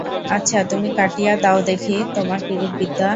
আচ্ছা, তুমি কাটিয়া দাও দেখি, তোমার কিরূপ বিদ্যা।